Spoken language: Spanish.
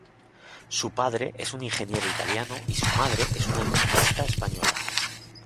Su padre es un ingeniero italiano y su madre es una economista española.